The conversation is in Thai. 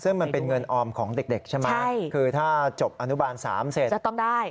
ซึ่งมันเป็นเงินออมของเด็กใช่ไหมคือถ้าจบอนุบาล๓เสร็จจะต้องได้